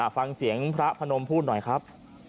ฟังเสียงพระพนมพูดหน่อยครับ